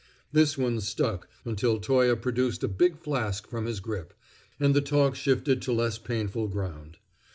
This one stuck until Toye produced a big flask from his grip, and the talk shifted to less painful ground.